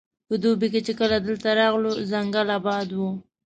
په دوبي کې چې کله دلته راغلو ځنګل اباد وو.